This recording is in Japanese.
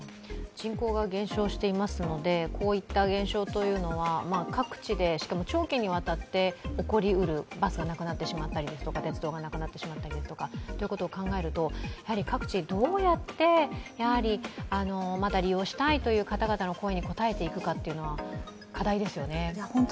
人口が減少していますのでこういった現象というのは、各地でしかも長期にわたって起こりうる、バスや鉄道がなくなってしまうと。ということを考えると、各地どうやってまだ利用したいという方々の声に応えていくかっていうのが課題ですよね。